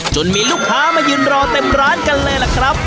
มีลูกค้ามายืนรอเต็มร้านกันเลยล่ะครับ